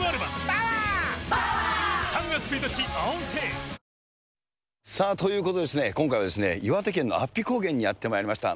フラミンゴさあ、ということで、今回は岩手県の安比高原にやってまいりました。